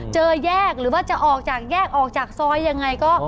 แยกหรือว่าจะออกจากแยกออกจากซอยยังไงก็